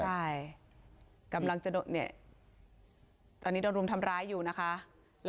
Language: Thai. ตอนนี้กำลังจะโดดเนี่ยตอนนี้กำลังจะโดดเนี่ย